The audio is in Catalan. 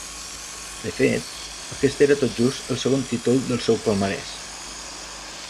De fet, aquest era tot just el segon títol del seu palmarès.